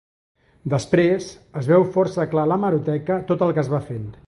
Després, es veu força clar a l’hemeroteca tot el que es va fent.